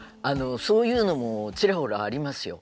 そういうのもちらほらありますよ。